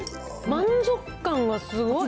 満足感がすごい。